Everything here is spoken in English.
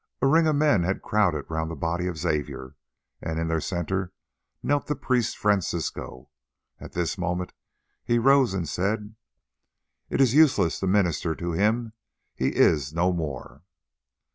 A ring of men had crowded round the body of Xavier, and in their centre knelt the priest Francisco. At this moment he rose and said: "It is useless to minister to him; he is no more."